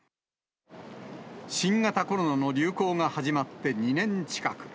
新型コロナの流行が始まって２年近く。